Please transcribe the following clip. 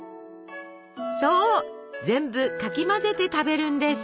そう全部かき混ぜて食べるんです。